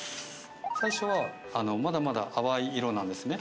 最初はまだまだ淡い色なんですね。